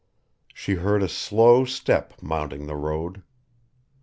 She heard a slow step mounting the road.